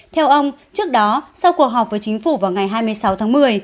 theo ông trước đó sau cuộc họp với chính phủ vào ngày hai mươi sáu tháng một mươi